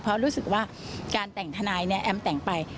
เพราะรู้สึกว่าการแต่งทนายเนี่ยแอมแต่งไป